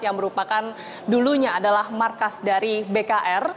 yang merupakan dulunya adalah markas dari bkr